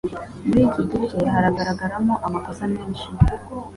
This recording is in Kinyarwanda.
muri iki gice haragaragaramo amakosa menshi